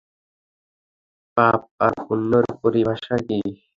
পাপ আর পুন্যের পরিভাষা কি?